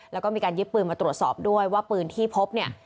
แล้วก็มีการยึดปืนมาตรวจสอบด้วยว่าปืนที่พบเนี่ย